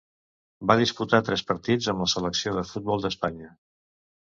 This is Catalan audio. Va disputar tres partits amb la selecció de futbol d'Espanya.